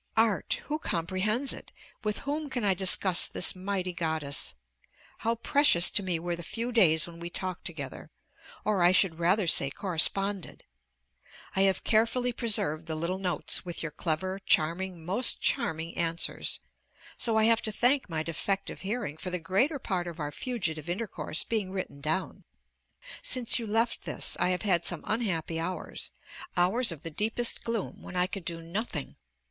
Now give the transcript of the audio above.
Art! who comprehends it? with whom can I discuss this mighty goddess? How precious to me were the few days when we talked together, or, I should rather say, corresponded! I have carefully preserved the little notes with your clever, charming, most charming answers; so I have to thank my defective hearing for the greater part of our fugitive intercourse being written down. Since you left this I have had some unhappy hours, hours of the deepest gloom, when I could do nothing.